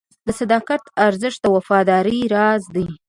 د صداقت ارزښت د وفادارۍ راز دی.